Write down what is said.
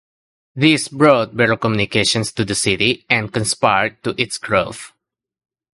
This brought better communications to the city and conspired to its growth.